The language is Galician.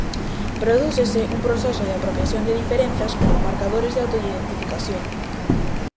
Prodúcese un proceso de apropiación de diferenzas como marcadores de autoidentificación.